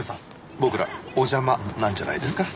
僕らお邪魔なんじゃないですか？